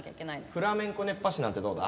フラメンコ熱波師なんてどうだ？